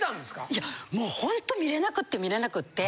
いやもうホント見れなくって見れなくって。